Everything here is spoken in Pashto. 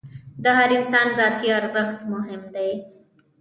د هر انسان ذاتي ارزښت مهم دی.